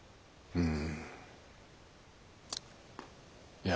うん。